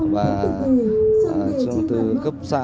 và từ cấp xã